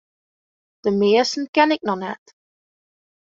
De measten ken ik noch net.